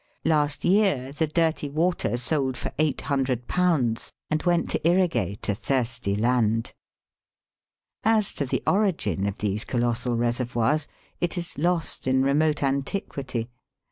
Last year the dirty water sold for ^800, and went to irrigate a thirsty land. As to the origin of these colossal reservoirs it is lost in remote antiquity.